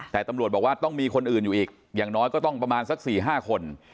แต่ตำรวจบอกว่าต้องมีคนอื่นอยู่อีกอย่างน้อยก็ต้องประมาณสัก๔๕คน